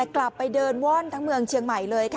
กลับไปเดินว่อนทั้งเมืองเชียงใหม่เลยค่ะ